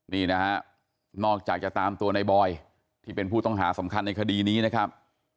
นี่นะฮะนอกจากจะตามตัวในบอยที่เป็นผู้ต้องหาสำคัญในคดีนี้นะครับ